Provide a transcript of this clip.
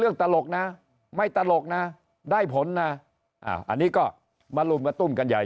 ตลกนะไม่ตลกนะได้ผลนะอันนี้ก็มาลุมกระตุ้นกันใหญ่